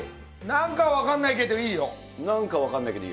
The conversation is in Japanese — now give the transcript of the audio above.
なんか分かんないけどいいよ？